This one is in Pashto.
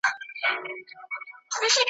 خدای بېشکه مهربان او نګهبان دی `